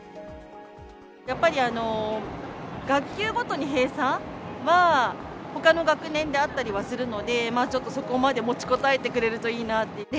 やっぱり、学級ごとに閉鎖は、ほかの学年であったりはするので、ちょっとそこまで持ちこたえてくれるといいなって。